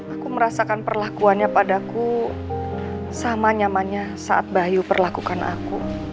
aku merasakan perlakuannya padaku sama nyamannya saat bayu perlakukan aku